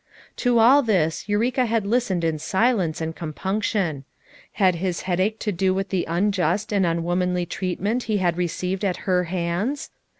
To all this, Eureka had listened in silence and compunction. Had his headache to do with the unjust and unwomanly treatment he had received at her hands?